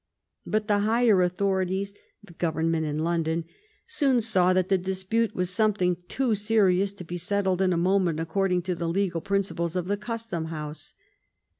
But the higher authorities, the government in London, soon saw that the dispute was something too serious to be settled in a moment according to the legal principles of the custom house.